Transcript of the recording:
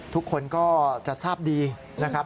ทุกคนก็จะทราบดีนะครับ